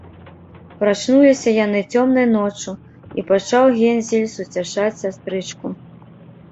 Прачнуліся яны цёмнай ноччу, і пачаў Гензель суцяшаць сястрычку: